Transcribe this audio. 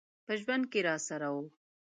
په ژوند کي راسره و .